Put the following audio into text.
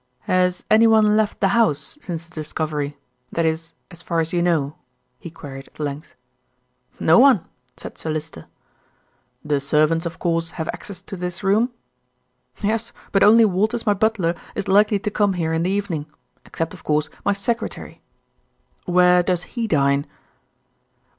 "Has anyone left the house since the discovery; that is, as far as you know?" he queried at length. "No one," said Sir Lyster. "The servants, of course, have access to this room?" "Yes; but only Walters, my butler, is likely to come here in the evening, except, of course, my secretary." "Where does he dine?"